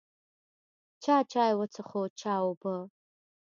چا چای وڅښو، چا اوبه.